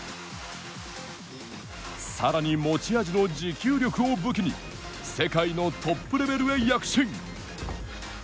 さらに持ち味の持久力を武器に世界のトップレベルへ躍進。